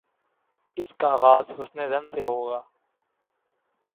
اس کا آغاز حسن ظن سے ہو گا۔